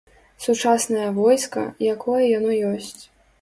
Сучаснае войска, якое яно ёсць.